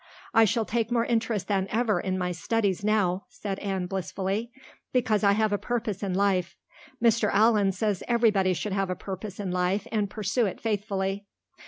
"I shall take more interest than ever in my studies now," said Anne blissfully, "because I have a purpose in life. Mr. Allan says everybody should have a purpose in life and pursue it faithfully.